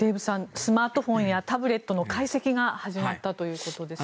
スマートフォンやタブレットの解析が始まったということですね。